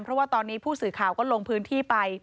เพราะว่าตอนนี้ผู้สื่อข่าวก็ลงพื้นที่ไป